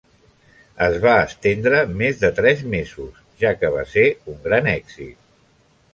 Es va estendre més de tres mesos, ja que va ser un gran èxit.